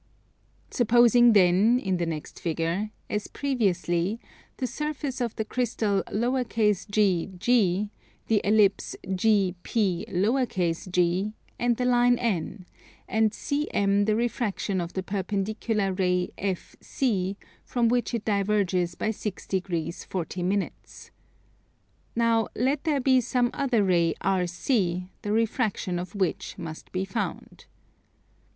Supposing then, in the next figure, as previously, the surface of the crystal _g_G, the Ellipse GP_g_, and the line N; and CM the refraction of the perpendicular ray FC, from which it diverges by 6 degrees 40 minutes. Now let there be some other ray RC, the refraction of which must be found.